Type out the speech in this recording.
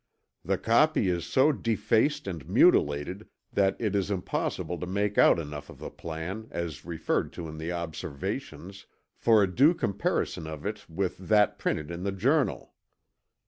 "The copy is so defaced and mutilated that it is impossible to make out enough of the plan, as referred to in the Observations, for a due comparison of it with that printed in the Journal.